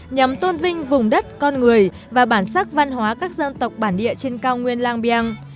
nhằm tôn vinh vùng đất con người và bản sắc văn hóa các dân tộc bản địa trên cao nguyên lang biang